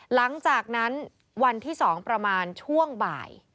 หลังจากนั้นวันที่๒ประมาณช่วงบ่าย